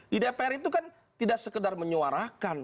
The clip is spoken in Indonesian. di dpr itu kan tidak sekedar menyuarakan